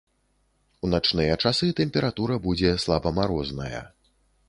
У начныя часы тэмпература будзе слабамарозная.